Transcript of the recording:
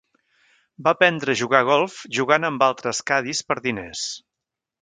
Va aprendre a jugar a golf jugant contra altres caddies per diners.